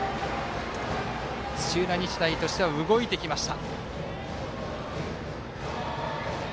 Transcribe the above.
土浦日大としては動いてきました。